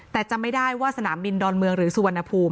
แต่จำไม่ได้ว่าสนามบินดอนเมืองหรือสุวรรณภูมิ